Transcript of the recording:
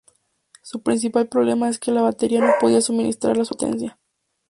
Su principal problema es que la batería no podía suministrar la suficiente potencia.